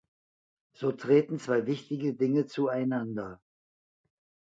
So treten zwei wichtige Dinge zueinander.